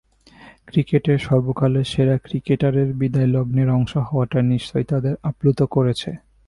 ক্রিকেটের সর্বকালের সেরা ক্রিকেটারের বিদায়লগ্নের অংশ হওয়াটা নিশ্চয়ই তাদের আপ্লুত করেছে।